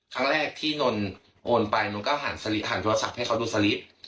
ครั้งแรกที่นนโอนไปนนก็หันสลิปหันโทรศัพท์ให้เขาดูสลิป